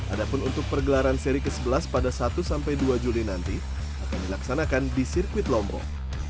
ada pun untuk pergelaran seri ke sebelas pada satu dua juli nanti akan dilaksanakan di sirkuit lombok